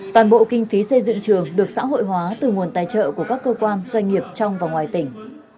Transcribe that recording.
toàn bộ kinh phí xây dựng trường được xã hội hóa từ nguồn tài trợ của các cơ quan doanh nghiệp trong và ngoài tỉnh